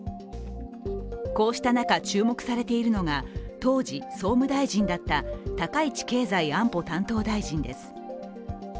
こうした中、注目されているのが当時総務大臣だった高市経済安保担当大臣です。